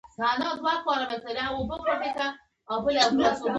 خلا ق تخریب د دغو واکمنانو ګټې ګواښلې.